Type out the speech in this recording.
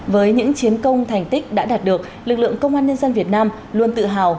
với những chiến công thành tích đã đạt được lực lượng công an nhân dân việt nam luôn tự hào